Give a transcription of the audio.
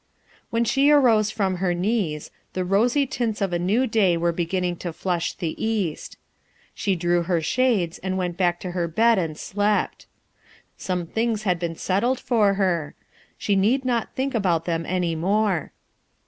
When she arose from her knees, the rosy tints of a new day were beginning to flush the east. She drew her shades and went back to her bed and slept. Some tilings had been settled for her; she need not think about them any more.